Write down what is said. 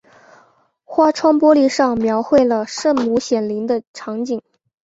花窗玻璃上描绘了圣母显灵的场景。